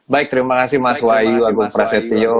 baik terima kasih mas wahyu agung prasetyo